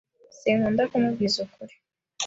Sinkunda kumubwiza ukuri.